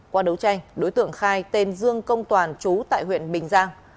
qua đấu tranh đối tượng khai tên dương công toàn chú tại huyện bình giang